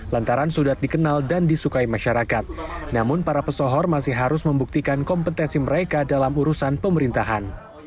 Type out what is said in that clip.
lantaran sudah dikenal dan disukai masyarakat namun para pesohor masih harus membuktikan kompetensi mereka dalam urusan pemerintahan